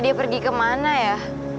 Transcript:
dia pergi ke mana ya